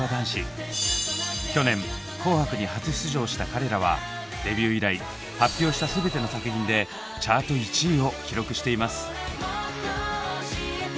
去年「紅白」に初出場した彼らはデビュー以来発表したすべての作品でチャート１位を記録しています。